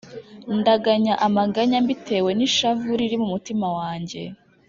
ndaganya amaganya mbitewe n’ishavu riri mu mutima wanjye